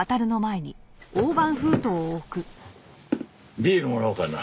ビールもらおうかな。